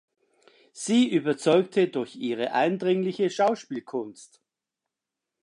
Sie überzeugte durch ihre eindringliche Schauspielkunst.